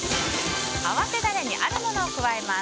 合わせダレにあるものを加えます。